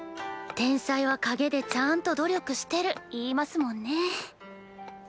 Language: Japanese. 天才はかげでちゃんと努力してる言いますもんね。